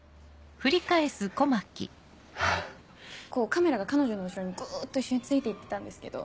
カメラが彼女の後ろにグっと一緒について行ってたんですけど。